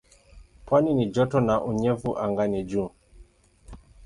Pwani ni joto na unyevu anga ni juu.